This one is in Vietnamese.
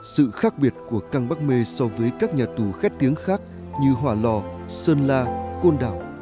sự khác biệt của căng bắc mê so với các nhà tù khét tiếng khác như hỏa lò sơn la côn đảo